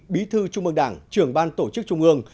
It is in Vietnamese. bí thư trung ương đảng trường ban tổ chức trung ương